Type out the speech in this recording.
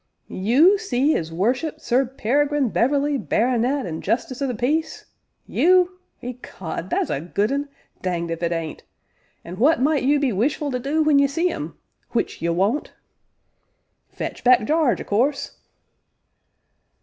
"You see 'is Worship Sir Peregrine Beverley, Baronet, an' Justice o' the Peace you? Ecod! that's a good un danged if it ain't! An' what might you be wishful to do when ye see 'im which ye won't?" "Fetch back Jarge, o' course."